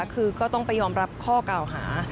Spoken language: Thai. คือก็ต้องไปยอมรับข้อกล่าวหา